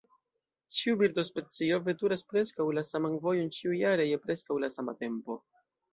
Ĉiu birdospecio veturas preskaŭ la saman vojon ĉiujare, je preskaŭ la sama tempo.